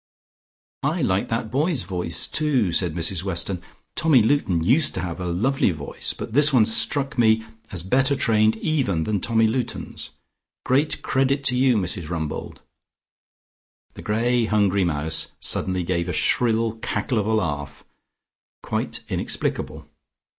"I liked that boy's voice, too," said Mrs Weston. "Tommy Luton used to have a lovely voice, but this one's struck me as better trained even than Tommy Luton's. Great credit to you, Mrs Rumbold." The grey hungry mouse suddenly gave a shrill cackle of a laugh, quite inexplicable.